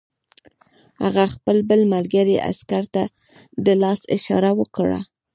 هغه خپل بل ملګري عسکر ته د لاس اشاره وکړه